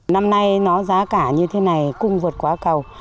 năm nay nó giá cả như thế này cung vượt quá cầu